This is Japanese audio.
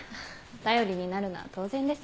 頼りになるのは当然です。